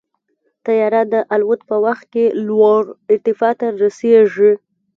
طیاره د الوت په وخت کې لوړ ارتفاع ته رسېږي.